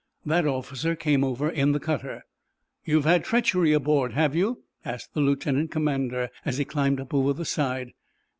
That officer came over in the cutter. "You've had treachery aboard, have you?" asked the lieutenant commander, as he climbed up over the side.